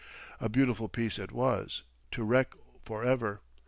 A beautiful peace, it was, to wreck for ever.